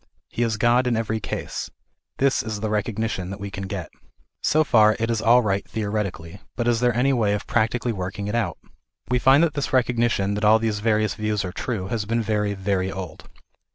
He is God in every case. This is the recognition that we can get. So far it is all right theoretically, but is there any way of practically working it out ? We find that this recogni tion that all these various views are true, has been very, very old.